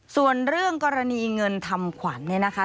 ส่วนเรื่องกรณีเงินทำขวัญเนี่ยนะคะ